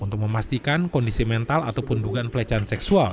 untuk memastikan kondisi mental atau pundukan pelecehan seksual